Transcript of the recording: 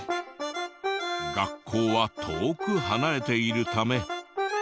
学校は遠く離れているため。